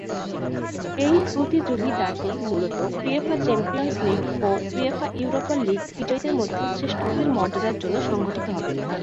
এই প্রতিযোগিতাটি মূলত উয়েফা চ্যাম্পিয়নস লীগ ও উয়েফা ইউরোপা লীগ বিজয়ীদের মধ্যে শ্রেষ্ঠত্বের মর্যাদার জন্য সংগঠিত হবে।